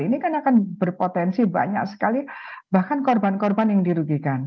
ini kan akan berpotensi banyak sekali bahkan korban korban yang dirugikan